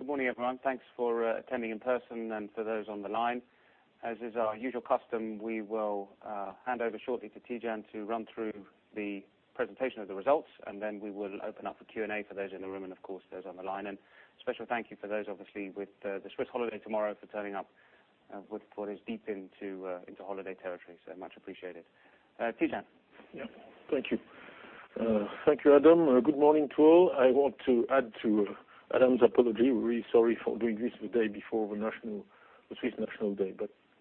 Good morning, everyone. Thanks for attending in person and for those on the line. As is our usual custom, we will hand over shortly to Tidjane to run through the presentation of the results, and then we will open up a Q&A for those in the room and, of course, those on the line. Special thank you for those, obviously, with the Swiss holiday tomorrow, for turning up for what is deep into holiday territory. Much appreciated. Tidjane. Yeah. Thank you. Thank you, Adam. Good morning to all. I want to add to Adam's apology. We're really sorry for doing this the day before the Swiss National Day.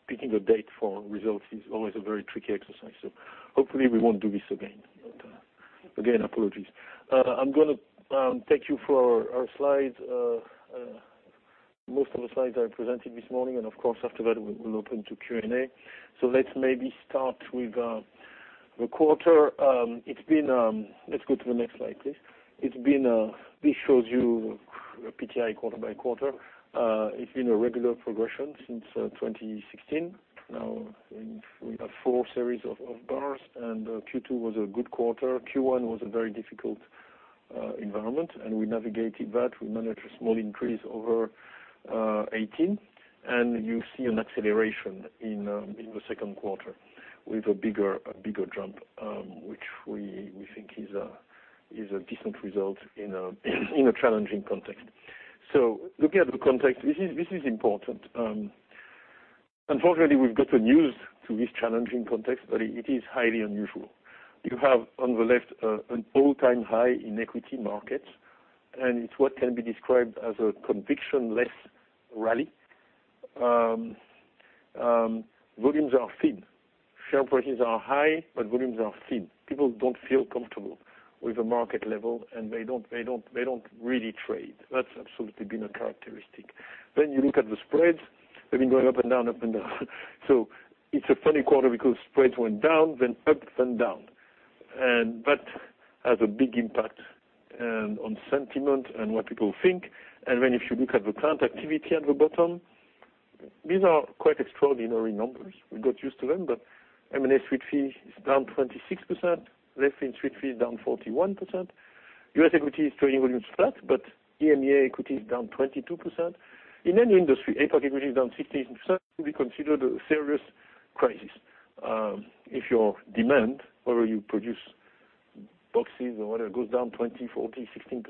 Picking a date for results is always a very tricky exercise. Hopefully we won't do this again. Again, apologies. I'm going to take you through our slides. Most of the slides I presented this morning. Of course, afterward, we will open to Q&A. Let's maybe start with the quarter. Let's go to the next slide, please. This shows you PTI quarter by quarter. It's been a regular progression since 2016. Now we have four series of bars. Q2 was a good quarter. Q1 was a very difficult environment. We navigated that. We managed a small increase over 2018, and you see an acceleration in the second quarter with a bigger jump, which we think is a decent result in a challenging context. Looking at the context, this is important. Unfortunately, we've gotten used to this challenging context, but it is highly unusual. You have, on the left, an all-time high in equity markets, and it's what can be described as a conviction-less rally. Volumes are thin. Share prices are high, but volumes are thin. People don't feel comfortable with the market level, and they don't really trade. That's absolutely been a characteristic. You look at the spreads. They've been going up and down, up and down. It's a funny quarter because spreads went down, then up, then down. That has a big impact on sentiment and what people think. If you look at the client activity at the bottom, these are quite extraordinary numbers. We got used to them, but M&A Street fee is down 26%, leveraged Street fee is down 41%, U.S. equity trading volume is flat, but EMEA equity is down 22%. In any industry, APAC equity is down 16%, to be considered a serious crisis. If your demand, whether you produce boxes or whatever, goes down 20%, 40%,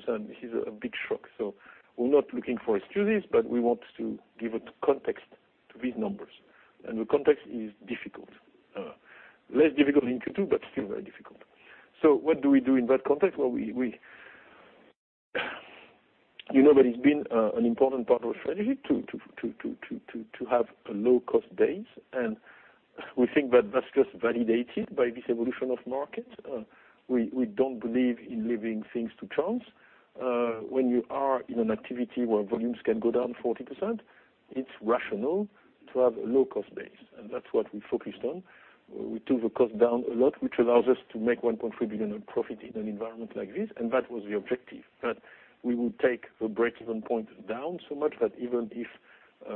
16%, this is a big shock. We're not looking for excuses, but we want to give a context to these numbers. The context is difficult. Less difficult in Q2, but still very difficult. What do we do in that context? You know that it's been an important part of our strategy to have a low-cost base, and we think that that's just validated by this evolution of markets. We don't believe in leaving things to chance. When you are in an activity where volumes can go down 40%, it's rational to have a low-cost base, and that's what we focused on. We took the cost down a lot, which allows us to make 1.3 billion in profit in an environment like this, and that was the objective. That we would take the break-even point down so much that even if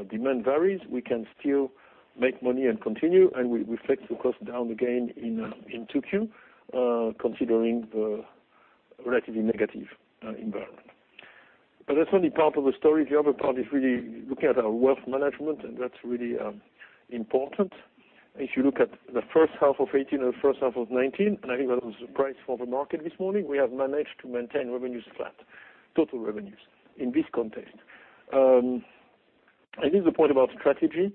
demand varies, we can still make money and continue, and we flex the cost down again in 2Q, considering the relatively negative environment. That's only part of the story. The other part is really looking at our wealth management, and that's really important. If you look at the first half of 2018 and the first half of 2019, and I think that was a surprise for the market this morning, we have managed to maintain revenues flat, total revenues, in this context. I think the point about strategy,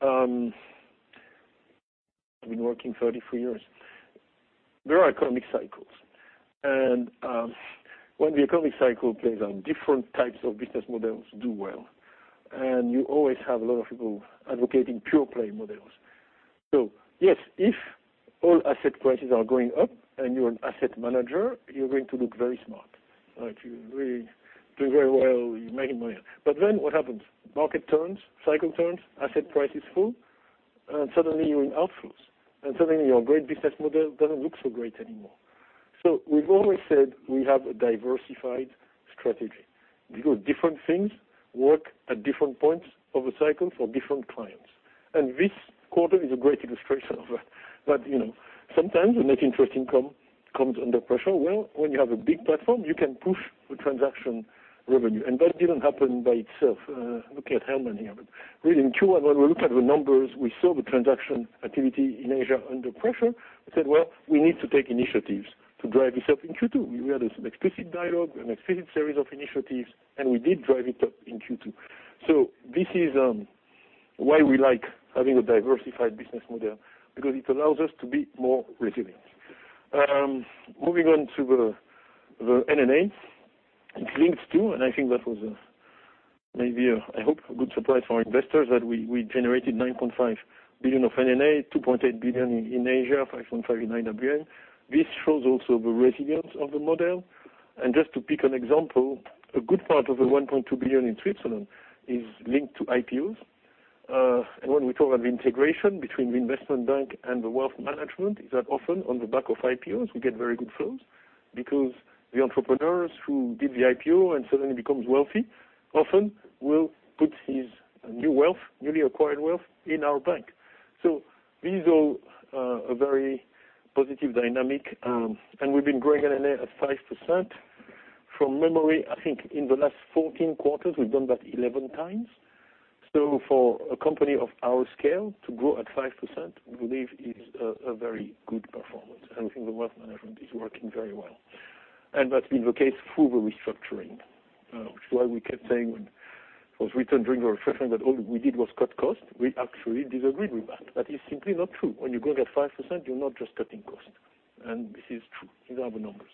I've been working 33 years. There are economic cycles, and when the economic cycle plays out, different types of business models do well, and you always have a lot of people advocating pure-play models. Yes, if all asset prices are going up and you're an asset manager, you're going to look very smart. If you're really doing very well, you're making money. What happens? Market turns, cycle turns, asset prices fall, and suddenly you're in outflows. Suddenly your great business model doesn't look so great anymore. We've always said we have a diversified strategy because different things work at different points of a cycle for different clients. This quarter is a great illustration of that. Sometimes the net interest income comes under pressure. When you have a big platform, you can push the transaction revenue. That didn't happen by itself. Looking at Hermann here, really in Q1, when we looked at the numbers, we saw the transaction activity in Asia under pressure. We said, "Well, we need to take initiatives to drive this up in Q2." We had an explicit dialogue, an explicit series of initiatives, and we did drive it up in Q2. This is why we like having a diversified business model, because it allows us to be more resilient. Moving on to the NNA, it links to, and I think that was maybe, I hope, a good surprise for investors that we generated 9.5 billion of NNA, 2.8 billion in Asia, 5.5 billion in IWM. This shows also the resilience of the model. Just to pick an example, a good part of the 1.2 billion in Switzerland is linked to IPOs. When we talk about the integration between the Investment Bank and the Wealth Management, is that often on the back of IPOs, we get very good flows because the entrepreneurs who did the IPO and suddenly becomes wealthy often will put his newly acquired wealth in our bank. These are a very positive dynamic. We've been growing NNA at 5%. From memory, I think in the last 14 quarters, we've done that 11 times. For a company of our scale to grow at 5%, we believe is a very good performance, and I think the wealth management is working very well. That's been the case through the restructuring, which is why we kept saying when it was written during the restructuring that all we did was cut costs. We actually disagreed with that. That is simply not true. When you grow at 5%, you're not just cutting costs. This is true. These are the numbers.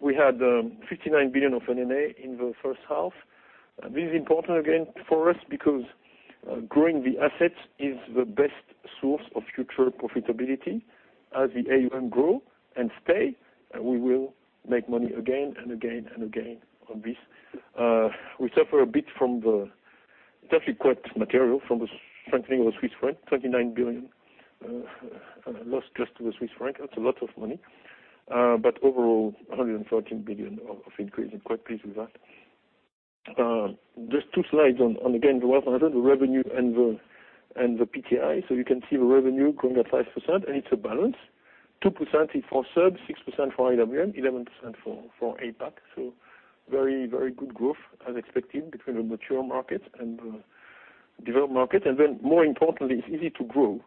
We had 59 billion of NNA in the first half. This is important again for us because growing the assets is the best source of future profitability. As the AUM grow and stay, we will make money again and again and again on this. We suffer a bit from It's actually quite material from the strengthening of the Swiss franc, 29 billion lost just to the Swiss franc. That's a lot of money. Overall, 114 billion of increase. I'm quite pleased with that. Just two slides on, again, the wealth management, the revenue, and the PTI. You can see the revenue growing at 5%, and it's a balance, 2% is for SUB, 6% for IWM, 11% for APAC. Very good growth as expected between the mature markets and the developed market. More importantly, it's easy to grow.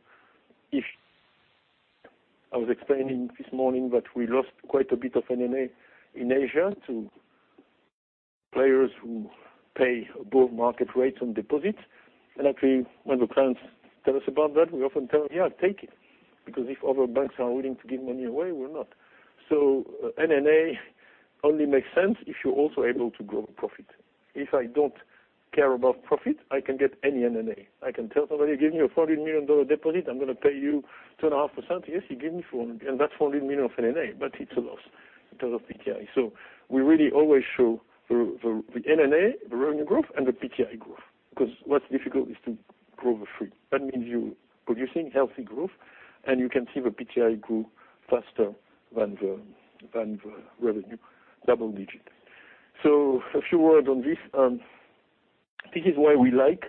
I was explaining this morning that we lost quite a bit of NNA in Asia to players who pay above-market rates on deposits. Actually, when the clients tell us about that, we often tell them, "Yeah, take it." Because if other banks are willing to give money away, we're not. NNA only makes sense if you're also able to grow profit. If I don't care about profit, I can get any NNA. I can tell somebody, "Give me a CHF 400 million deposit. I'm going to pay you 2.5%." Yes, he give me 400, and that's 400 million of NNA, but it's a loss in terms of PTI. We really always show the NNA, the revenue growth, and the PTI growth, because what's difficult is to grow the three. That means you're producing healthy growth, and you can see the PTI grew faster than the revenue, double-digit. A few words on this. This is why we like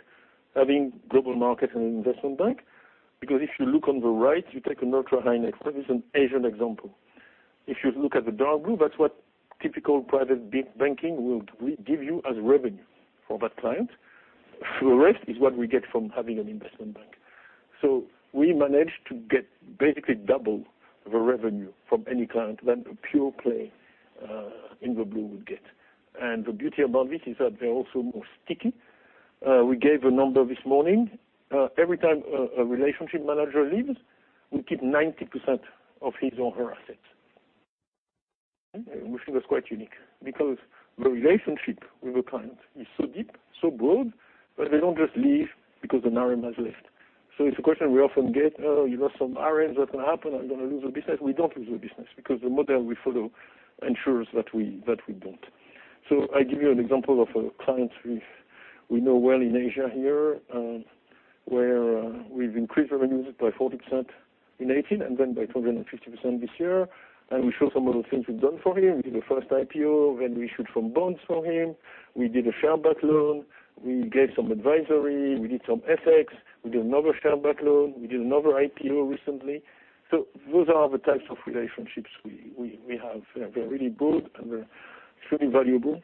having global markets and an investment bank, because if you look on the right, you take an ultra-high net worth, this is an Asian example. If you look at the dark blue, that's what typical private banking will give you as revenue for that client. The rest is what we get from having an investment bank. We managed to get basically double the revenue from any client than a pure play in the blue would get. The beauty about this is that they're also more sticky. We gave a number this morning. Every time a relationship manager leaves, we keep 90% of his or her assets, which is quite unique because the relationship with the client is so deep, so broad, that they don't just leave because an RM has left. It's a question we often get, "Oh, you lost some RMs. What's going to happen? Are you going to lose the business?" We don't lose the business because the model we follow ensures that we don't. I give you an example of a client we know well in Asia here, where we've increased the revenues by 40% in 2018 and then by 250% this year. We show some of the things we've done for him. We did the first IPO, then we issued some bonds for him. We did a share buyback loan. We gave some advisory, we did some FX. We did another share buyback loan. We did another IPO recently. Those are the types of relationships we have. They're really broad, and they're extremely valuable.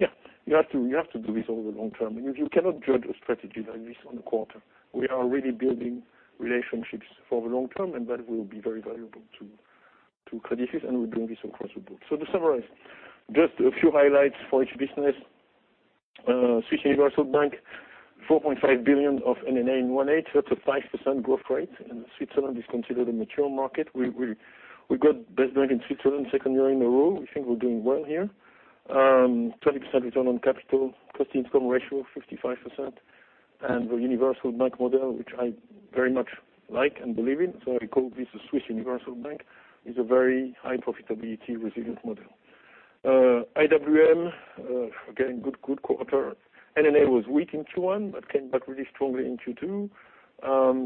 Yeah, you have to do this over the long term, and you cannot judge a strategy like this on a quarter. We are really building relationships for the long term, and that will be very valuable to Credit Suisse, and we're doing this across the board. To summarize, just a few highlights for each business. Swiss Universal Bank, 4.5 billion of NNA in 2018. That's a 5% growth rate, and Switzerland is considered a mature market. We got best bank in Switzerland second year in a row. We think we're doing well here. 20% return on capital, cost-to-income ratio, 55%, and the Universal Bank model, which I very much like and believe in. I call this a Swiss Universal Bank, is a very high profitability resilient model. IWM, again, good quarter. NNA was weak in Q1, but came back really strongly in Q2,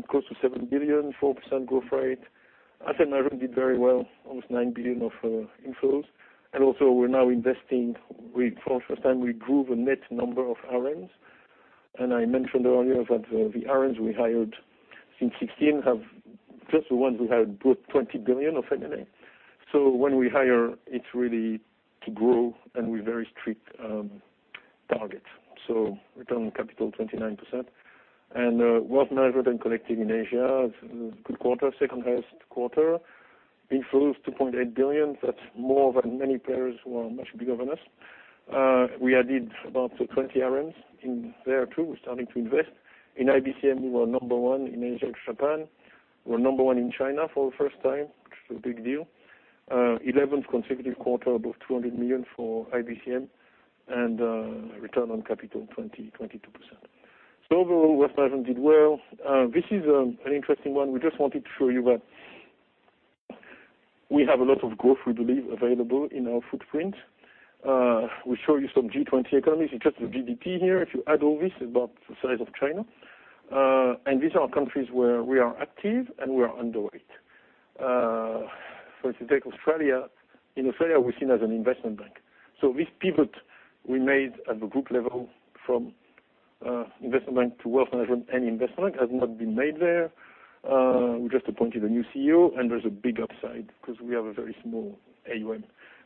close to 7 billion, 4% growth rate. Asset management did very well, almost 9 billion of inflows. Also, we're now investing. For the first time, we grew the net number of RMs. I mentioned earlier that the RMs we hired since 2016 have, just the ones we hired, brought 20 billion of NNA. When we hire, it's really to grow, and with very strict targets. Return on capital, 29%. Wealth management collecting in Asia, good quarter, second highest quarter. Inflows 2.8 billion. That's more than many players who are much bigger than us. We added about 20 RMs in there, too. We're starting to invest. In IBCM, we were number one in Asia ex Japan. We're number one in China for the first time, which is a big deal. 11th consecutive quarter above 200 million for IBCM, and return on capital, 22%. Overall, wealth management did well. This is an interesting one. We just wanted to show you that we have a lot of growth, we believe, available in our footprint. We show you some G20 economies. It's just the GDP here. If you add all this, it's about the size of China. These are countries where we are active, and we are underweight. If you take Australia, in Australia, we're seen as an investment bank. This pivot we made at the group level from investment bank to wealth management and investment bank has not been made there. We just appointed a new CEO, and there's a big upside because we have a very small AUM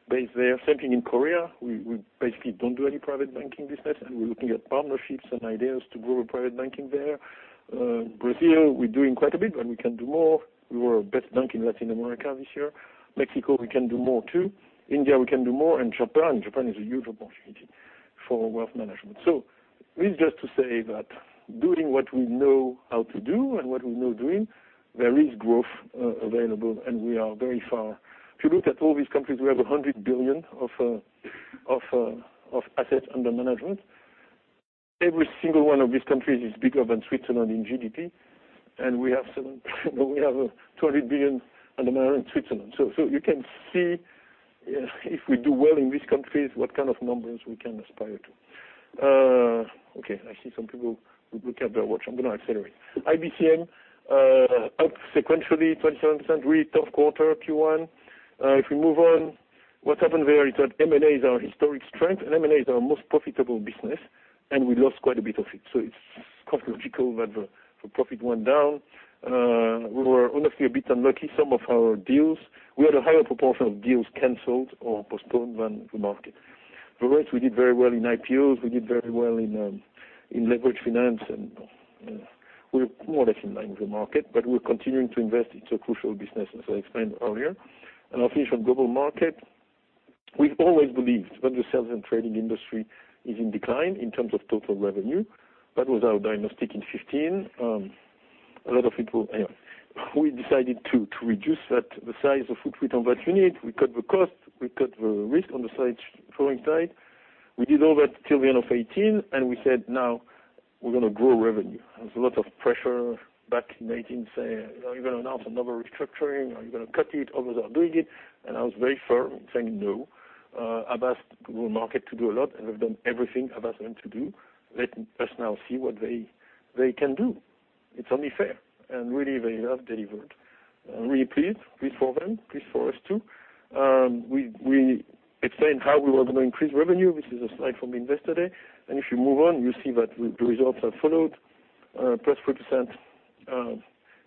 base there. Same thing in Korea. We basically don't do any private banking business, and we're looking at partnerships and ideas to grow private banking there. Brazil, we're doing quite a bit, and we can do more. We were the best bank in Latin America this year. Mexico, we can do more, too. India, we can do more. Japan is a huge opportunity for wealth management. This is just to say that doing what we know how to do and what we know doing, there is growth available, and we are very far. If you look at all these countries, we have 100 billion of assets under management. Every single one of these countries is bigger than Switzerland in GDP, and we have 20 billion under management in Switzerland. You can see, if we do well in these countries, what kind of numbers we can aspire to. Okay, I see some people who look at their watch. I'm going to accelerate. IBCM, up sequentially, 27%, really tough quarter, Q1. If we move on, what happened there is that M&A is our historic strength, and M&A is our most profitable business, and we lost quite a bit of it. It's quite logical that the profit went down. We were honestly a bit unlucky. We had a higher proportion of deals canceled or postponed than the market. The rest, we did very well in IPOs. We did very well in leveraged finance. We're more or less in line with the market. We're continuing to invest into crucial businesses, as I explained earlier. I'll finish on Global Markets. We've always believed that the sales and trading industry is in decline in terms of total revenue. That was our diagnostic in 2015. We decided to reduce the size of what we thought that we need. We cut the cost. We cut the risk on the flow side. We did all that till the end of 2018. We said, now we're going to grow revenue. There was a lot of pressure back in 2018 saying, "Are you going to announce another restructuring? Are you going to cut it? Others are doing it." I was very firm saying, no. I've asked the Global Markets to do a lot, and we've done everything I've asked them to do. Let us now see what they can do. It's only fair. Really, they have delivered. Really pleased. Pleased for them. Pleased for us, too. We explained how we were going to increase revenue, which is a slide from Investor Day. If you move on, you see that the results are followed, +4%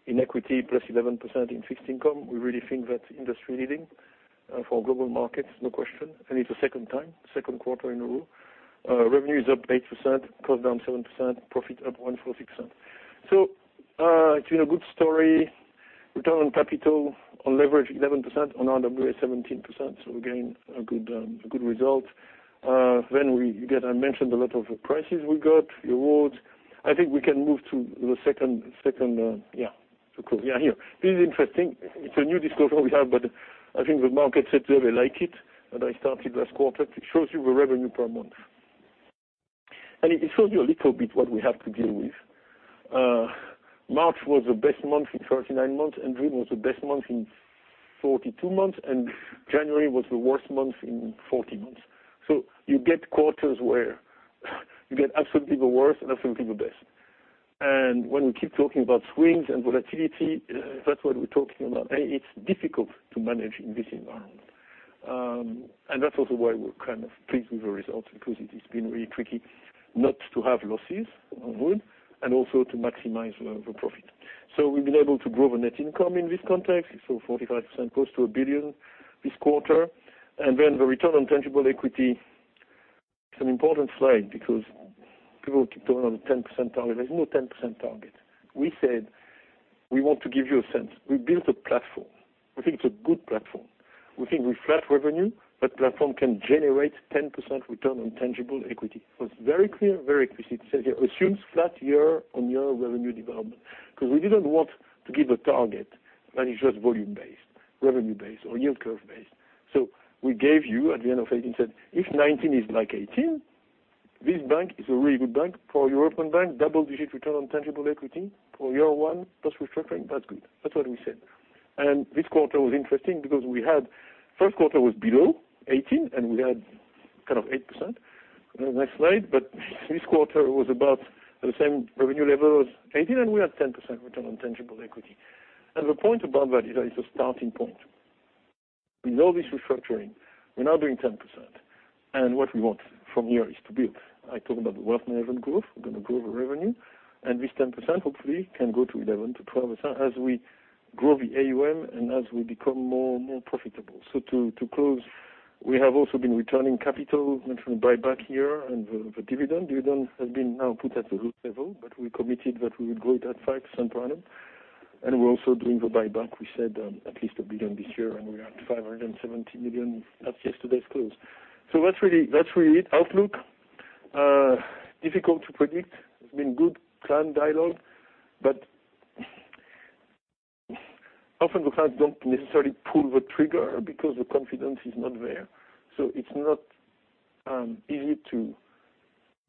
in equity, +11% in fixed income. We really think that's industry-leading for Global Markets, no question. It's the second time, second quarter in a row. Revenue is up 8%, cost down 7%, profit up 146%. It's been a good story. Return on capital, on leverage, 11%, on RWA, 17%. Again, a good result. We get, I mentioned a lot of the prizes we got, the awards. I think we can move to the second. Cool. Here. This is interesting. It's a new disclosure we have. I think the market said they really like it. I started last quarter. It shows you the revenue per month. It shows you a little bit what we have to deal with. March was the best month in 39 months. June was the best month in 42 months. January was the worst month in 40 months. You get quarters where you get absolutely the worst and absolutely the best. When we keep talking about swings and volatility, that's what we're talking about. It's difficult to manage in this environment. That's also why we're kind of pleased with the results, because it has been really tricky not to have losses on one and also to maximize the profit. We've been able to grow the net income in this context. 45%, close to 1 billion this quarter. The Return on Tangible Equity. It's an important slide because people keep talking about the 10% target. There's no 10% target. We said we want to give you a sense. We built a platform. We think it's a good platform. We think with flat revenue, that platform can generate 10% Return on Tangible Equity. It's very clear, very explicit. It says here, assumes flat year-on-year revenue development, because we didn't want to give a target that is just volume-based, revenue-based, or yield curve-based. We gave you at the end of 2018, said, if 2019 is like 2018, this bank is a really good bank. For a European bank, double-digit return on tangible equity for year one, plus restructuring, that's good. That's what we said. This quarter was interesting because First quarter was below 2018, and we had 8%, next slide, but this quarter was about the same revenue level as 2018, and we had 10% return on tangible equity. The point about that is that it's a starting point. With all this restructuring, we're now doing 10%, and what we want from here is to build. I talked about the wealth management growth. We're going to grow the revenue. This 10%, hopefully, can go to 11%, to 12% as we grow the AUM and as we become more profitable. To close, we have also been returning capital, we mentioned the buyback here and the dividend. Dividend has been now put at the root level, but we committed that we would grow it at 5% per annum. We're also doing the buyback. We said at least 1 billion this year, and we are at 570 million at yesterday's close. That's really it. Outlook, difficult to predict. It's been good client dialogue, but often the clients don't necessarily pull the trigger because the confidence is not there. It's not easy to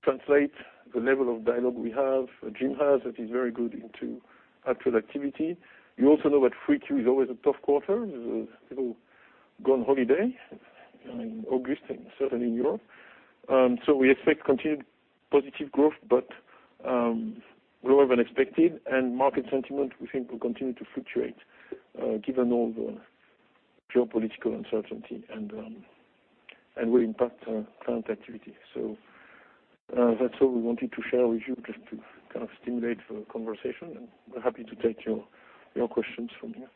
translate the level of dialogue we have, or Jim has, that is very good into actual activity. You also know that Q3 is always a tough quarter. People go on holiday in August, and certainly in Europe. We expect continued positive growth, but lower than expected, and market sentiment we think will continue to fluctuate given all the geopolitical uncertainty and will impact our current activity. That's all we wanted to share with you just to kind of stimulate the conversation, and we're happy to take your questions from here.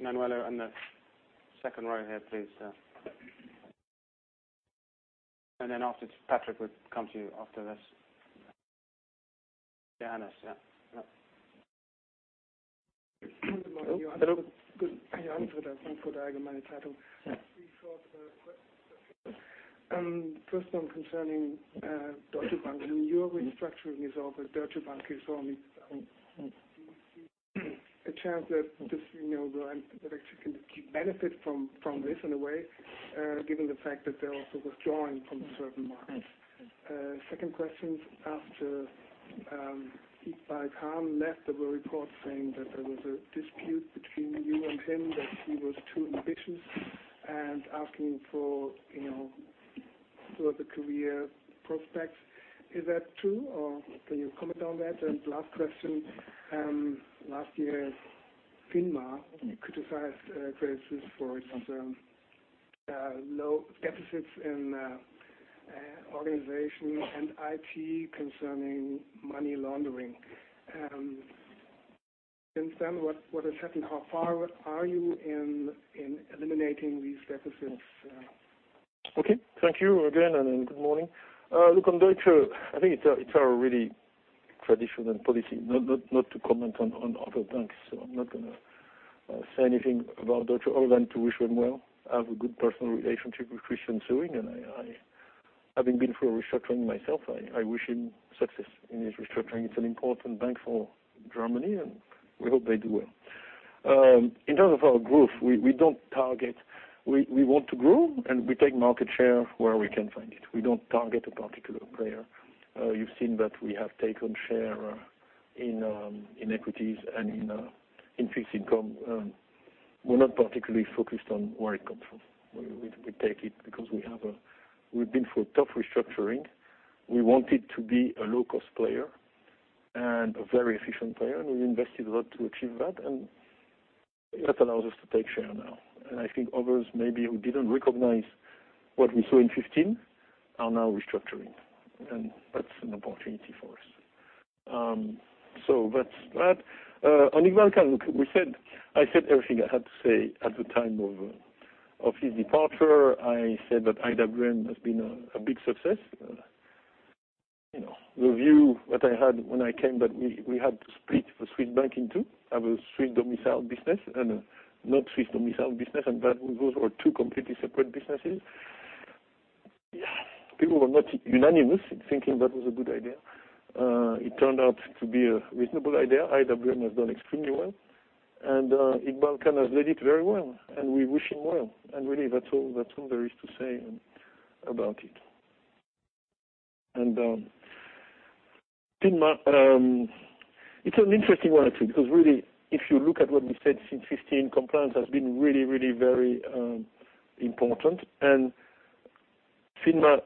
Manuela in the second row here, please. Then after, Patrick we'll come to you after this. Janice. Yeah. Good morning to you. Hello. Three short questions. First one concerning Deutsche Bank. Your restructuring is over. Deutsche Bank is only starting. Is there a chance that you can actually benefit from this in a way, given the fact that they're also withdrawing from certain markets? Second question, after Iqbal Khan left, there were reports saying that there was a dispute between you and him, that he was too ambitious and asking for sort of a career prospect. Is that true, or can you comment on that? Last question, last year, FINMA criticized Credit Suisse for its low deficits in organization and IT concerning money laundering. Since then, what has happened? How far are you in eliminating these deficits? Okay. Thank you again, and good morning. Look, on Deutsche, I think it's our really tradition and policy not to comment on other banks. I'm not going to say anything about Deutsche other than to wish them well. I have a good personal relationship with Christian Sewing, and having been through a restructuring myself, I wish him success in his restructuring. It's an important bank for Germany, and we hope they do well. In terms of our growth, we want to grow, and we take market share where we can find it. We don't target a particular player. You've seen that we have taken share in equities and in fixed income. We're not particularly focused on where it comes from. We take it because we've been through a tough restructuring. We wanted to be a low-cost player and a very efficient player, and we invested a lot to achieve that, and that allows us to take share now. I think others maybe who didn't recognize what we saw in 2015 are now restructuring, and that's an opportunity for us. That's that. On Iqbal Khan, look, I said everything I had to say at the time of his departure. I said that IWM has been a big success. The view that I had when I came that we had to split the Swiss bank in two, have a Swiss domicile business and a not Swiss domicile business, and that those were two completely separate businesses. People were not unanimous in thinking that was a good idea. It turned out to be a reasonable idea. IWM has done extremely well, and Iqbal Khan has led it very well, and we wish him well. Really that's all there is to say about it. FINMA, it's an interesting one actually, because really if you look at what we said since 2015, compliance has been really very important, and FINMA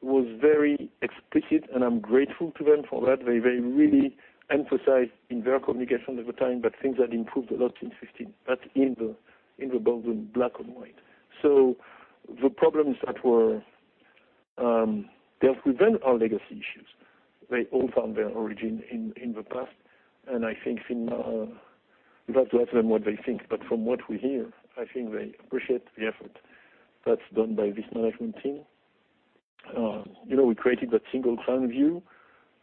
was very explicit, and I'm grateful to them for that. They really emphasized in their communication over time that things had improved a lot since 2015, that in the bold and black on white. The problems that were there before are legacy issues. They all found their origin in the past, and I think FINMA, you'd have to ask them what they think, but from what we hear, I think they appreciate the effort that's done by this management team. We created that single client view.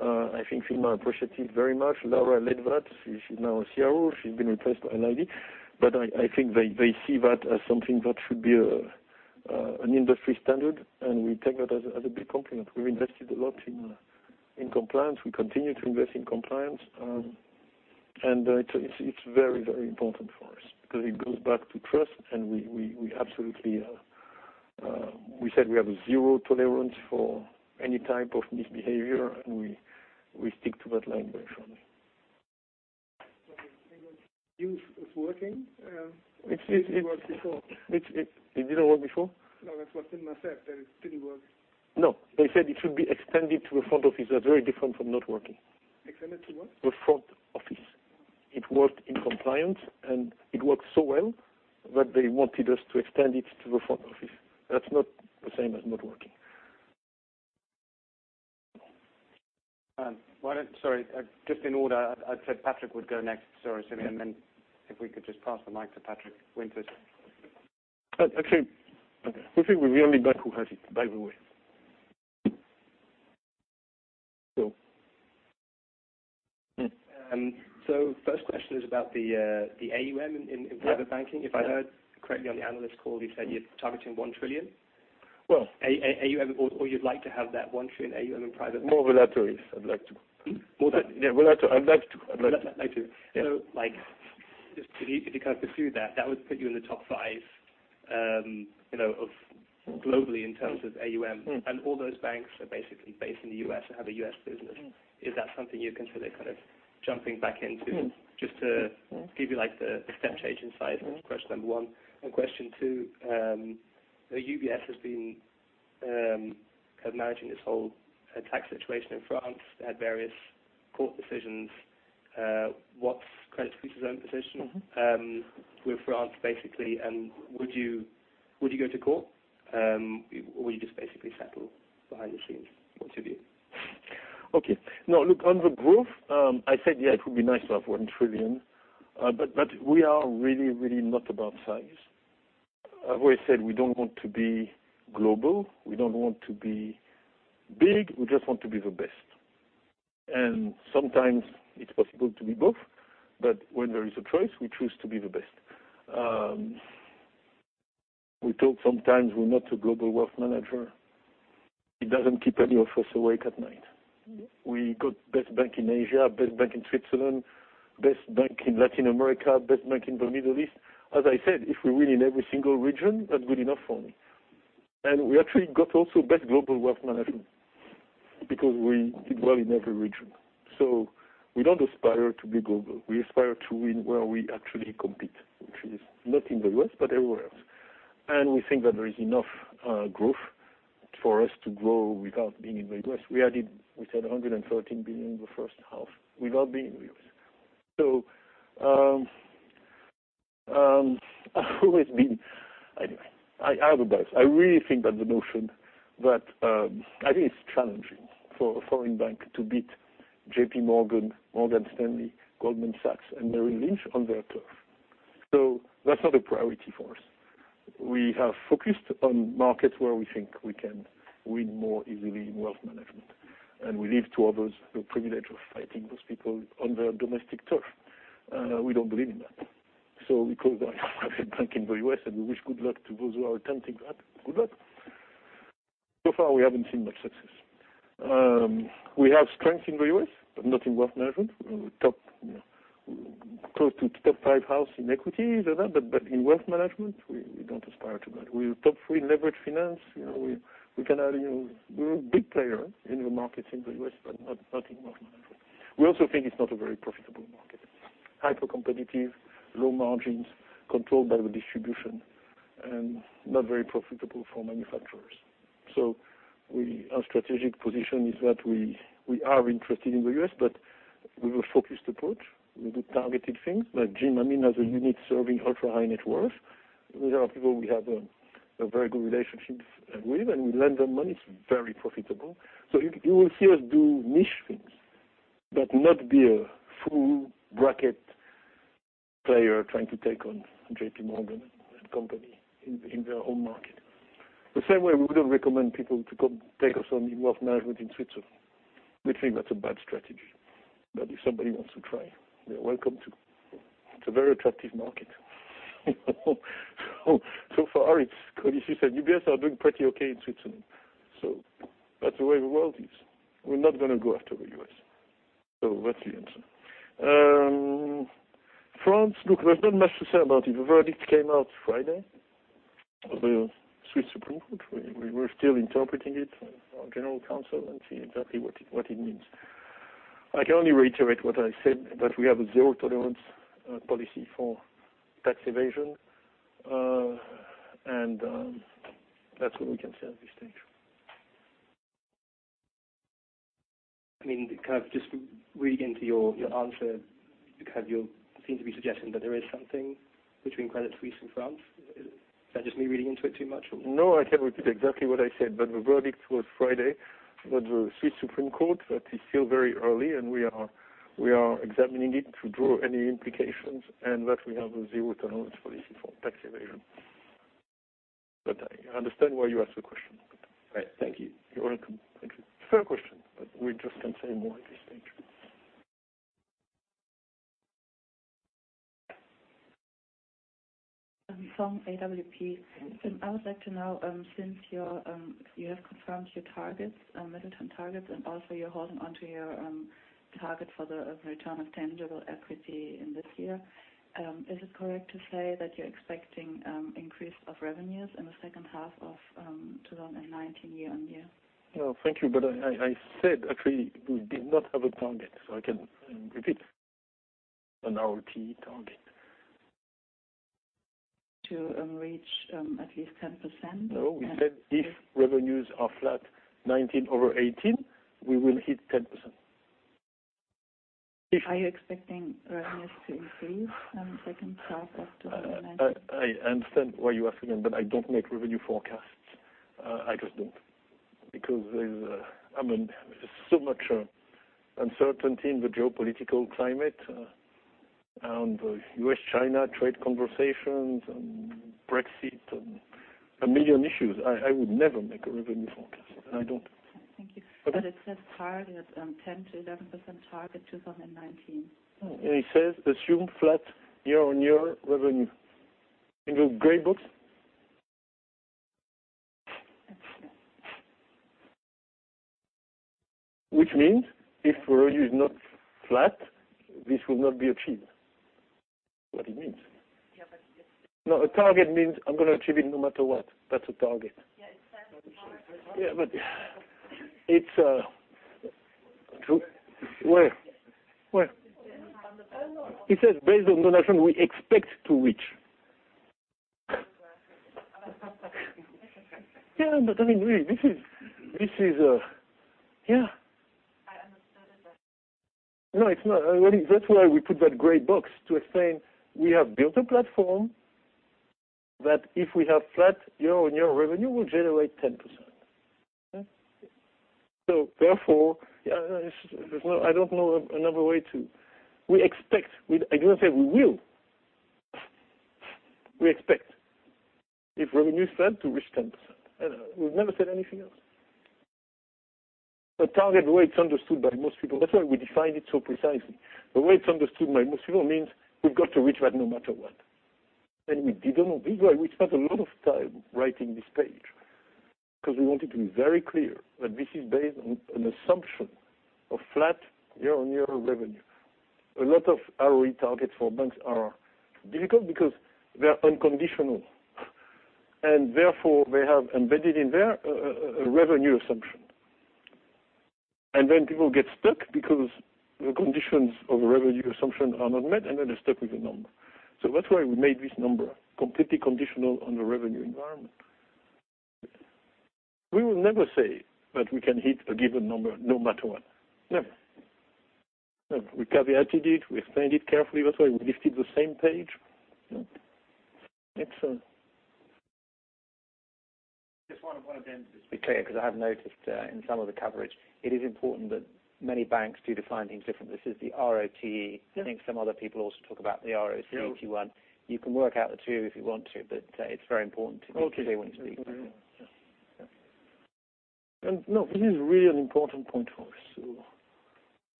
I think FINMA appreciate it very much. Lara led that. She's now in CRO. She's been replaced by Heidi. I think they see that as something that should be an industry standard, and we take that as a big compliment. We've invested a lot in compliance. We continue to invest in compliance. It's very important for us because it goes back to trust, and we said we have zero tolerance for any type of misbehavior, and we stick to that line very strongly. Okay. You think that's working? It didn't work before. It didn't work before? No, that's what FINMA said, that it didn't work. No. They said it should be extended to the front office. That's very different from not working. Extended to what? The front office. It worked in compliance, and it worked so well that they wanted us to extend it to the front office. That's not the same as not working. Sorry, just in order, I said Patrick would go next. Sorry, Sylvia, if we could just pass the mic to Patrick Winters. Actually, we think we're the only bank who has it, by the way. Cool. First question is about the AUM in private banking. If I heard correctly on the analyst call, you said you're targeting 1 trillion. Well- You'd like to have that 1 trillion AUM in private bank. More would like to, yes. I'd like to. More than-- Yeah. Would like to. I'd like to. Like to. Yeah. Just if you kind of pursue that would put you in the top five globally in terms of AUM, and all those banks are basically based in the U.S. or have a U.S. business. Is that something you consider kind of jumping back into just to give you the step change in size? That was question number one. And question two, UBS has been managing this whole tax situation in France. They had various court decisions. What's Credit Suisse's own position? With France, basically. Would you go to court? Will you just basically settle behind the scenes? What's your view? Okay. No, look, on the growth, I said, yeah, it would be nice to have 1 trillion. We are really not about size. I've always said we don't want to be global. We don't want to be big. We just want to be the best. Sometimes it's possible to be both. When there is a choice, we choose to be the best. We talk sometimes, we're not a global wealth manager. It doesn't keep any of us awake at night. We got best bank in Asia, best bank in Switzerland, best bank in Latin America, best bank in the Middle East. As I said, if we win in every single region, that's good enough for me. We actually got also best global wealth management because we did well in every region. We don't aspire to be global. We aspire to win where we actually compete, which is not in the U.S., but everywhere else. We think that there is enough growth for us to grow without being in the U.S. We added, we said 113 billion in the first half without being in the U.S. I have advice. I really think that the notion that I think it's challenging for a foreign bank to beat JPMorgan, Morgan Stanley, Goldman Sachs, and Merrill Lynch on their turf. That's not a priority for us. We are focused on markets where we think we can win more easily in wealth management, and we leave to others the privilege of fighting those people on their domestic turf. We don't believe in that. We call that a bank in the U.S., and we wish good luck to those who are attempting that. Good luck. So far, we haven't seen much success. We have strength in the U.S., but not in wealth management. We are close to top five house in equities and that, but in wealth management, we don't aspire to that. We are top three in leverage finance. We're a big player in the markets in the U.S., but not in wealth management. We also think it's not a very profitable market. Hypercompetitive, low margins, controlled by the distribution, and not very profitable for manufacturers. Our strategic position is that we are interested in the U.S., but we have a focused approach. We do targeted things. Like Jim Amine has a unit serving ultra-high-net worth. These are people we have a very good relationship with, and we lend them money. It's very profitable. You will see us do niche things, but not be a full bracket player trying to take on JPMorgan and company in their own market. The same way we wouldn't recommend people to come take us on in wealth management in Switzerland. We think that's a bad strategy. If somebody wants to try, they are welcome to. It's a very attractive market. Far, it's quite easy, said UBS are doing pretty okay in Switzerland. That's the way the world is. We're not going to go after the U.S. That's the answer. France, look, there's not much to say about it. The verdict came out Friday of the Swiss Supreme Court. We're still interpreting it with our general counsel and seeing exactly what it means. I can only reiterate what I said, that we have a zero-tolerance policy for tax evasion. That's all we can say at this stage. I mean, kind of just reading into your answer, you seem to be suggesting that there is something between Credit Suisse and France. Is that just me reading into it too much, or? I can repeat exactly what I said. The verdict was Friday with the Swiss Supreme Court. It's still very early, and we are examining it to draw any implications, and that we have a zero-tolerance policy for tax evasion. I understand why you ask the question. Right. Thank you. You're welcome. Thank you. Fair question, we just can't say more at this stage. I'm from AWP. I would like to know, since you have confirmed your targets, mid-term targets, and also you're holding onto your target for the return on tangible equity in this year, is it correct to say that you're expecting increase of revenues in the second half of 2019 year-on-year? No, thank you. I said, actually, we did not have a target, so I can repeat an ROTE target. To reach at least 10%. No, we said if revenues are flat 2019 over 2018, we will hit 10%. Are you expecting revenues to increase second half of 2019? I understand why you're asking that, but I don't make revenue forecasts. I just don't. There is so much uncertainty in the geopolitical climate and the US-China trade conversations and Brexit and a million issues. I would never make a revenue forecast, and I don't. Thank you. Okay. It says target of 10%-11% target 2019. No. It says assume flat year-on-year revenue. In the gray box? That's right. If revenue is not flat, this will not be achieved. What it means. Yeah. No, a target means I'm going to achieve it no matter what. That's a target. Yeah, it says. It's true. Where? Where? It says based on donation we expect to reach. Really, this is. I understand that. That's why we put that gray box to explain we have built a platform that if we have flat year-on-year revenue, we'll generate 10%. We expect. I didn't say we will. We expect, if revenue is flat, to reach 10%. We've never said anything else. The target, the way it's understood by most people, that's why we defined it so precisely. The way it's understood by most people means we've got to reach that no matter what. We didn't. This is why we spent a lot of time writing this page, because we want it to be very clear that this is based on an assumption of flat year-on-year revenue. A lot of ROE targets for banks are difficult because they are unconditional, and therefore, they have embedded in there a revenue assumption. People get stuck because the conditions of the revenue assumption are not met, and then they're stuck with the number. That's why we made this number completely conditional on the revenue environment. We will never say that we can hit a given number no matter what. Never. We caveated it. We explained it carefully. That's why we listed the same page. Next one. Just wanted them to be clear, because I have noticed in some of the coverage, it is important that many banks do define things differently. This is the ROTE. Yeah. I think some other people also talk about the ROTCE. Yeah. You can work out the two if you want to, but it's very important to be clear when you speak. Okay. Yeah. No, this is really an important point for us, too.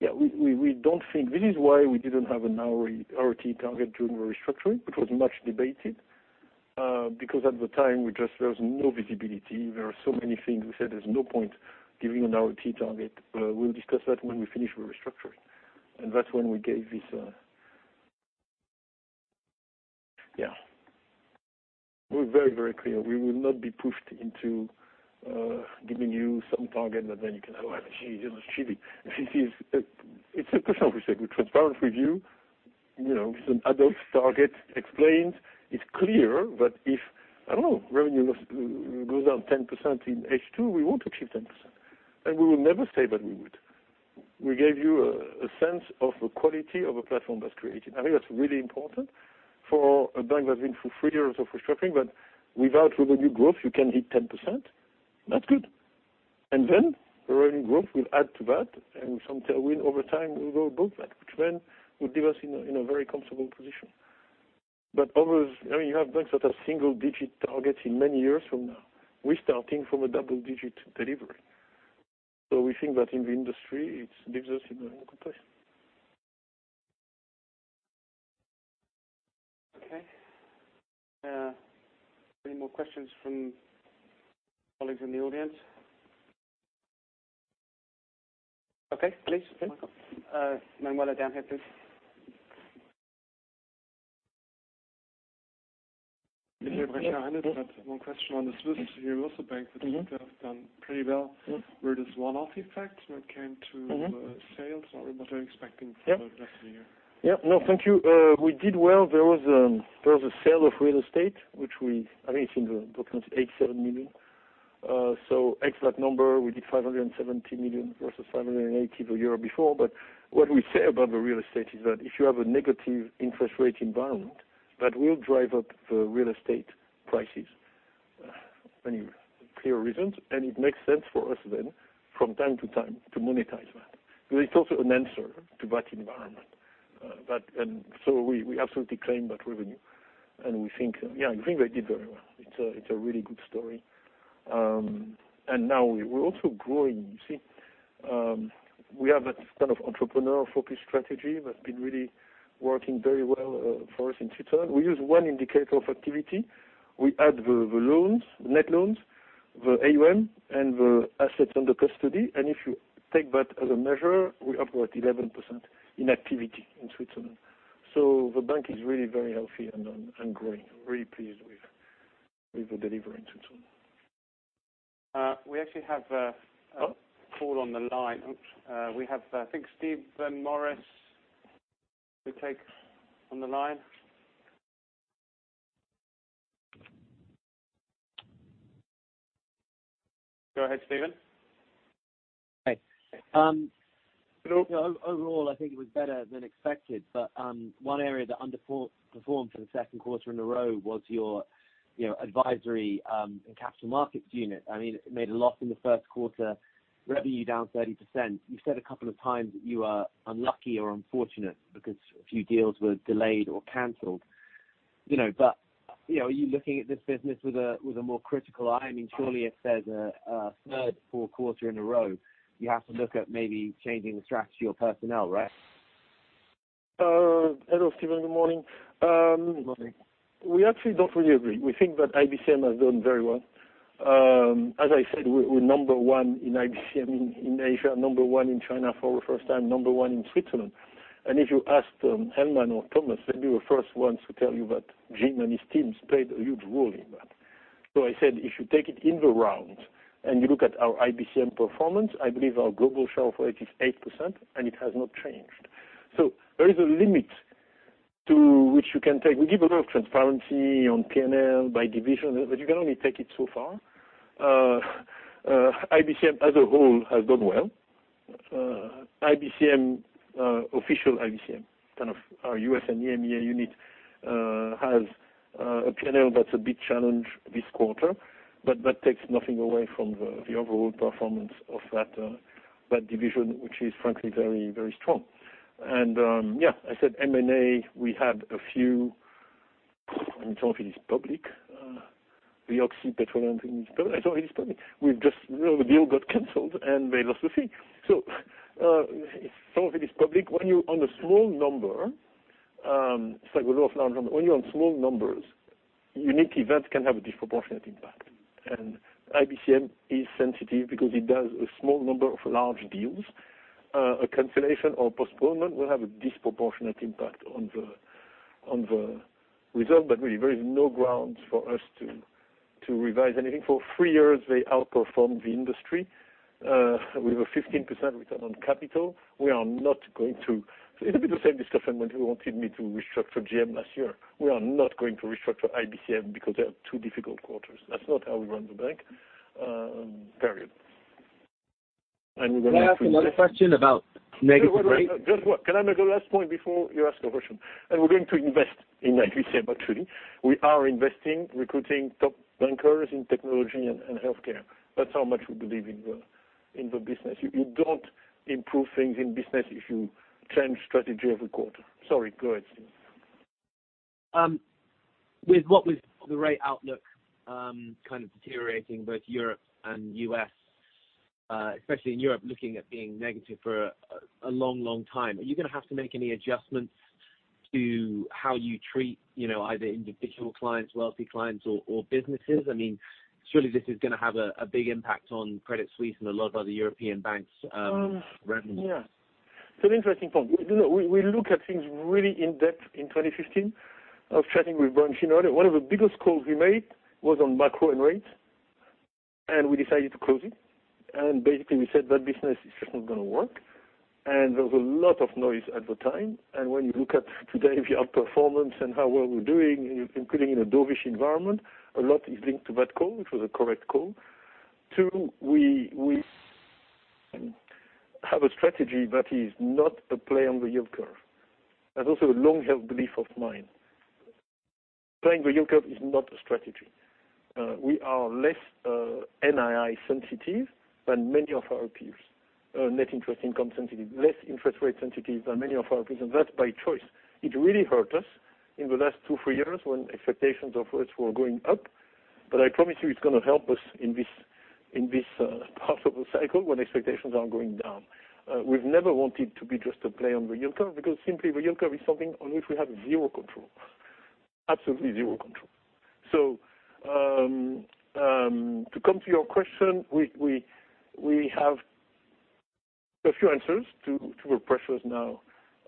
This is why we didn't have an ROTE target during the restructuring, which was much debated, because at the time there was no visibility. There were so many things. We said there's no point giving an ROTE target. We'll discuss that when we finish restructuring. That's when we gave this. Yeah. We're very clear. We will not be pushed into giving you some target that then you can go, "Oh, gee, he didn't achieve it." It's a question of we take a transparent review, with an adult target explained. It's clear that if, I don't know, revenue goes down 10% in H2, we won't achieve 10%, and we will never say that we would. We gave you a sense of the quality of a platform that's created. I think that's really important for a bank that's been through three years of restructuring. Without revenue growth, you can hit 10%. That's good. The revenue growth will add to that, and some tailwind over time will go above that, which then will leave us in a very comfortable position. You have banks that have single-digit targets in many years from now. We're starting from a double-digit delivery. We think that in the industry, it leaves us in a good place. Okay. Any more questions from colleagues in the audience? Okay, please. Michael. Manuela down here, please. One question on the Swiss Universal Bank that have done pretty well. Where does one-off effect when it came to sales? What are you expecting for the rest of the year? Yeah. No, thank you. We did well. There was a sale of real estate, which I think it's in the documents, 8.7 million. Ex that number, we did 570 million versus 580 million the year before. What we say about the real estate is that if you have a negative interest rate environment, that will drive up the real estate prices. Many clear reasons, it makes sense for us then from time to time to monetize that. It's also an answer to that environment. We absolutely claim that revenue, and we think they did very well. It's a really good story. Now we're also growing. You see, we have that kind of entrepreneurial-focused strategy that's been really working very well for us in Switzerland. We use one indicator of activity. We add the loans, net loans, the AUM, and the assets under custody. If you take that as a measure, we are up at 11% in activity in Switzerland. The bank is really very healthy and growing. Really pleased with the delivery in Switzerland. We actually have Oh call on the line. Oops. We have, I think, Stephen Morris to take on the line. Go ahead, Stephen. Hi. Hello. Overall, I think it was better than expected, but one area that underperformed for the second quarter in a row was your advisory and capital markets unit. It made a loss in the first quarter, revenue down 30%. You've said a couple of times that you are unlucky or unfortunate because a few deals were delayed or canceled. Are you looking at this business with a more critical eye? Surely it says a third poor quarter in a row, you have to look at maybe changing the strategy or personnel, right? Hello, Stephen. Good morning. Good morning. We actually don't really agree. We think that IBCM has done very well. As I said, we're number one in IBCM in Asia, number one in China for the first time, number one in Switzerland. If you asked Manuela or Thomas, they'd be the first ones to tell you that Jim and his teams played a huge role in that. I said, if you take it in the round and you look at our IBCM performance, I believe our global share for it is 8%, and it has not changed. There is a limit to which you can take. We give a lot of transparency on P&L by division, but you can only take it so far. IBCM as a whole has done well. Official IBCM, kind of our U.S. and EMEA unit, has a P&L that's a big challenge this quarter, That takes nothing away from the overall performance of that division, which is frankly very strong. Yes, I said M&A, we had a few, and some of it is public. The Occidental Petroleum thing is public. Some of it is public. The deal got canceled, and they lost a fee. Some of it is public. When you're on a small number, it's like the law of large numbers. When you're on small numbers, unique events can have a disproportionate impact. IBCM is sensitive because it does a small number of large deals. A cancellation or postponement will have a disproportionate impact on the result. Really, there is no grounds for us to revise anything. For three years, they outperformed the industry, with a 15% return on capital. It's a bit the same discussion when you wanted me to restructure GM last year. We are not going to restructure IBCM because they have two difficult quarters. That's not how we run the bank, period. Can I ask another question about negative rates? Just wait. Can I make a last point before you ask your question? We're going to invest in IBCM, actually. We are investing, recruiting top bankers in technology and healthcare. That's how much we believe in the business. You don't improve things in business if you change strategy every quarter. Sorry. Go ahead, Stephen. With what was the rate outlook kind of deteriorating, both Europe and U.S., especially in Europe, looking at being negative for a long time, are you going to have to make any adjustments to how you treat either individual clients, wealthy clients or businesses? Surely this is going to have a big impact on Credit Suisse and a lot of other European banks' revenues. Yes. It's an interesting point. We look at things really in-depth in 2015. I was chatting with Brian earlier. One of the biggest calls we made was on macro and rates, and we decided to close it. Basically, we said that business is just not going to work. There was a lot of noise at the time. When you look at today, if you have performance and how well we're doing, including in a dovish environment, a lot is linked to that call, which was a correct call. Two, we have a strategy that is not a play on the yield curve. That's also a long-held belief of mine. Playing the yield curve is not a strategy. We are less NII sensitive than many of our peers. Net interest income sensitive, less interest rate sensitive than many of our peers, and that's by choice. It really hurt us in the last two, three years when expectations of rates were going up. I promise you, it's going to help us in this part of the cycle when expectations are going down. We've never wanted to be just a play on the yield curve, because simply the yield curve is something on which we have zero control, absolutely zero control. To come to your question, we have a few answers to the pressures now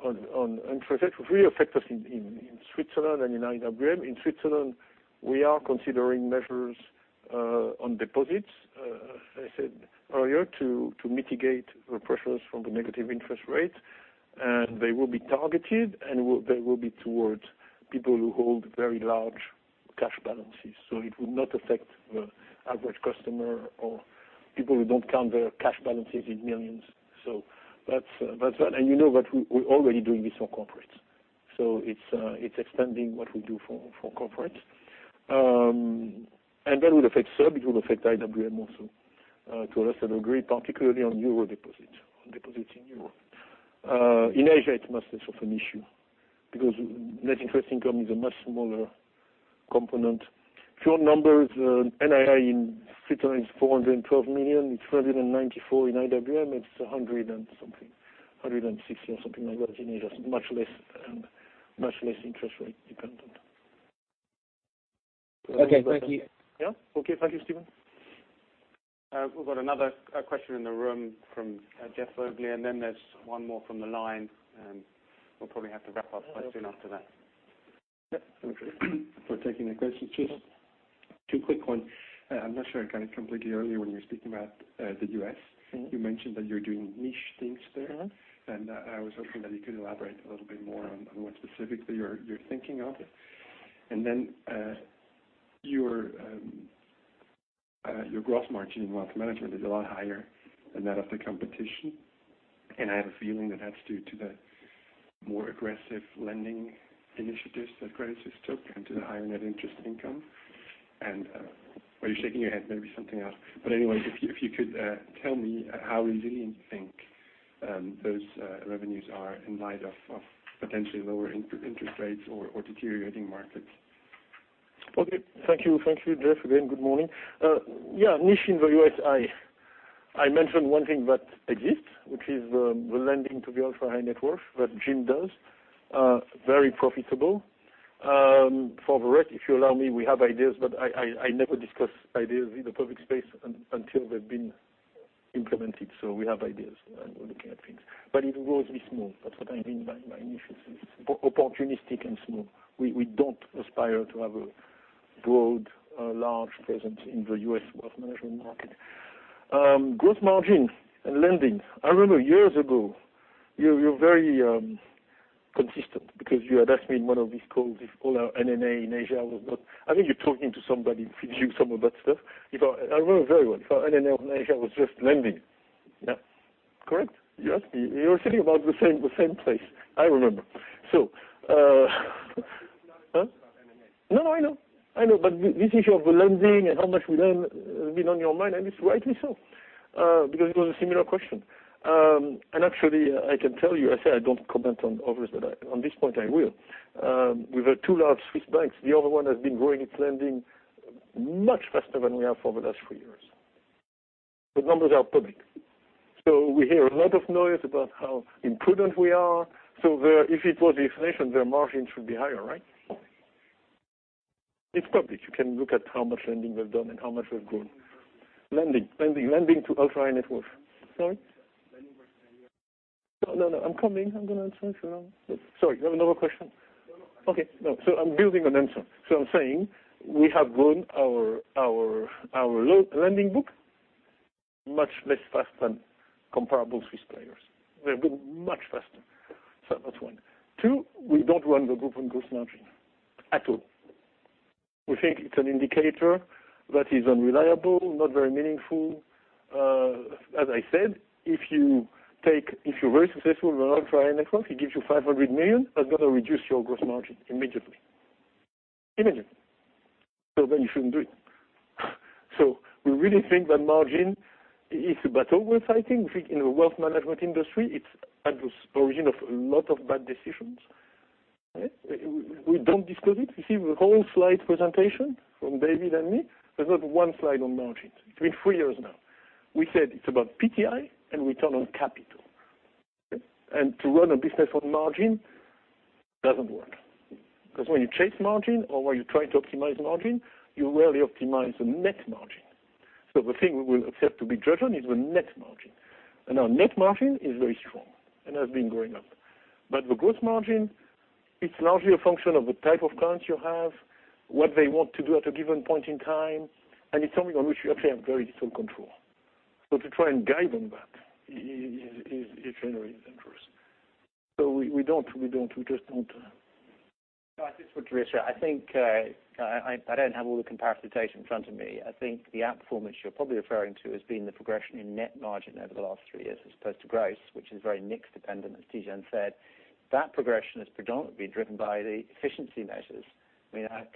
on interest rates, which really affect us in Switzerland and in IWM. In Switzerland, we are considering measures on deposits, as I said earlier, to mitigate the pressures from the negative interest rates. They will be targeted, and they will be towards people who hold very large cash balances. It will not affect the average customer or people who don't count their cash balances in millions. That's that. You know that we're already doing this for corporates. It's extending what we do for corporates. That would affect SUB, it will affect IWM also to a lesser degree, particularly on euro deposits, on deposits in Europe. In Asia, it's much less of an issue because net interest income is a much smaller component. If your number is NII in Switzerland is 412 million, it's 394 in IWM, it's 100 and something, 160 or something like that in Asia. It's much less interest rate dependent. Okay. Thank you. Yeah. Okay. Thank you, Stephen. We've got another question in the room from Jeff and then there's one more from the line, and we'll probably have to wrap up quite soon after that. Yeah. Thank you for taking the question. Just two quick ones. I'm not sure I got it completely earlier when you were speaking about the U.S. You mentioned that you're doing niche things there. I was hoping that you could elaborate a little bit more on what specifically you are thinking of. Your gross margin in wealth management is a lot higher than that of the competition, and I have a feeling that that's due to the more aggressive lending initiatives that Credit Suisse took and to the higher net interest income. You're shaking your head, maybe something else. If you could tell me how resilient you think those revenues are in light of potentially lower interest rates or deteriorating markets. Okay. Thank you, Jeff. Again, good morning. Niche in the U.S., I mentioned one thing that exists, which is the lending to the ultra-high net worth that Jim does. Very profitable. For the rest, if you allow me, we have ideas, but I never discuss ideas in the public space until they've been implemented, so we have ideas, and we're looking at things. It will always be small. That's what I mean by niches is opportunistic and small. We don't aspire to have a broad large presence in the U.S. wealth management market. Gross margin and lending. I remember years ago, you were very consistent because you had asked me in one of these calls if all our NNA in Asia was not I think you're talking to somebody who feeds you some of that stuff. I remember very well. If our NNA on Asia was just lending. Yeah. Correct. You asked me. You're thinking about the same place. I remember. Huh? This is not a question about NNA. No, I know. I know, but this issue of the lending and how much we lend has been on your mind, and it's rightly so. Because it was a similar question. Actually, I can tell you, I say I don't comment on others, but on this point, I will. We were two large Swiss banks. The other one has been growing its lending much faster than we have for the last three years. The numbers are public. We hear a lot of noise about how imprudent we are. If it was the inflation, their margin should be higher, right? It's public. You can look at how much lending we've done and how much we've grown. Lending versus- Lending. Lending to ultra-high-net-worth. Sorry? Lending versus- No, I'm coming. I'm going to answer. Sorry, you have another question? No. Okay, no. I'm building an answer. I'm saying we have grown our lending book much less fast than comparable Swiss players. They have grown much faster. That's one. Two, we don't run the group on gross margin at all. We think it's an indicator that is unreliable, not very meaningful. As I said, if you're very successful with an ultra-high-net-worth, it gives you 500 million, that's going to reduce your gross margin immediately. Immediately. Then you shouldn't do it. We really think that margin is a battle worth fighting. We think in the wealth management industry, it's at the origin of a lot of bad decisions. We don't disclose it. You see the whole slide presentation from David and me, there's not one slide on margin. It's been three years now. We said it's about PTI and return on capital. Okay. To run a business on margin doesn't work. When you chase margin or when you try to optimize margin, you rarely optimize the net margin. The thing we will accept to be judged on is the net margin. Our net margin is very strong and has been going up. The gross margin, it's largely a function of the type of clients you have, what they want to do at a given point in time, and it's something on which we actually have very little control. To try and guide on that is generally dangerous. We just don't. No, I just want to reiterate. I don't have all the comparison data in front of me. I think the outperformance you're probably referring to has been the progression in net margin over the last three years as opposed to gross, which is very mix dependent, as Tidjane said. That progression has predominantly been driven by the efficiency measures.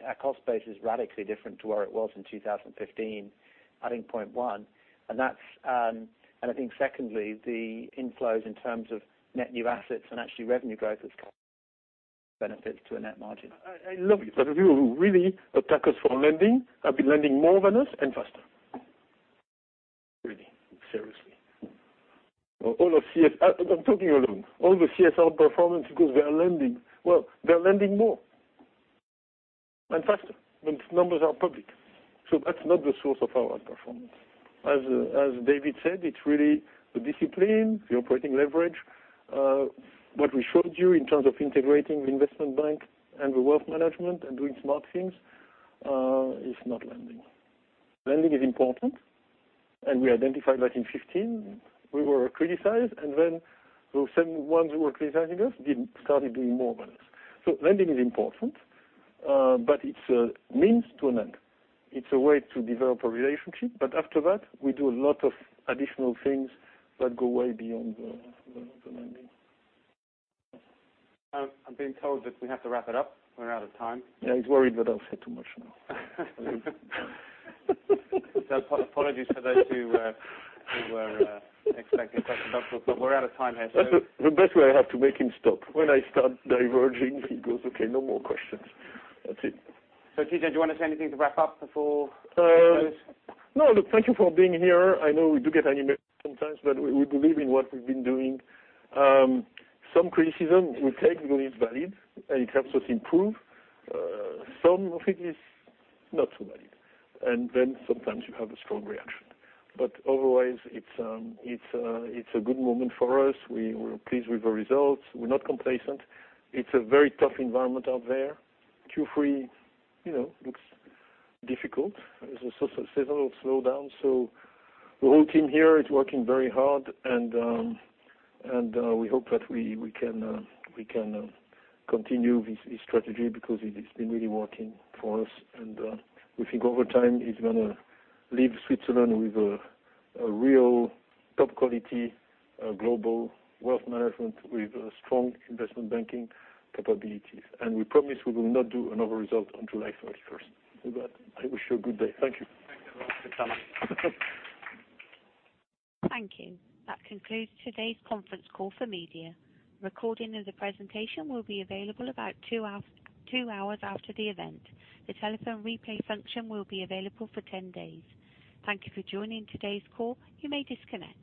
Our cost base is radically different to where it was in 2015, I think point 1. And I think secondly, the inflows in terms of net new assets and actually revenue growth has benefits to a net margin. I love it. People who really attack us for lending, have been lending more than us and faster. Really. Seriously. I'm talking alone. All the CS performance because we are lending. Well, they're lending more and faster. Those numbers are public. That's not the source of our outperformance. As David said, it's really the discipline, the operating leverage. What we showed you in terms of integrating the investment bank and the wealth management and doing smart things, is not lending. Lending is important, and we identified that in 2015. We were criticized, and then those same ones who were criticizing us started doing more than us. Lending is important, but it's a means to an end. It's a way to develop a relationship, but after that, we do a lot of additional things that go way beyond the lending. I'm being told that we have to wrap it up. We're out of time. Yeah, he's worried that I've said too much now. Apologies for those who were expecting questions. We're out of time here. That's the best way I have to make him stop. When I start diverging, he goes, "Okay, no more questions." That's it. Tidjane, do you want to say anything to wrap up before we close? Look, thank you for being here. I know we do get animated sometimes, we believe in what we've been doing. Some criticism we take because it's valid, it helps us improve. Some of it is not so valid. Sometimes you have a strong reaction. Otherwise, it's a good moment for us. We're pleased with the results. We're not complacent. It's a very tough environment out there. Q3 looks difficult. There's a seasonal slowdown. The whole team here is working very hard, we hope that we can continue this strategy because it has been really working for us. We think over time, it's going to leave Switzerland with a real top-quality global wealth management with strong investment banking capabilities. We promise we will not do another result on July 31st. With that, I wish you a good day. Thank you. Thank you. Thank you. That concludes today's conference call for media. Recording of the presentation will be available about two hours after the event. The telephone replay function will be available for 10 days. Thank you for joining today's call. You may disconnect.